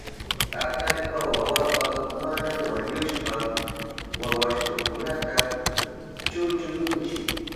Atallpa wawapa maman wañushpan wawastukunata chunchu ninchi.